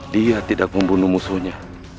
dia tidak membunuh musuhnya